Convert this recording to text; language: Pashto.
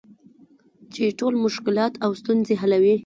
چې ټول مشکلات او ستونزې حلوي .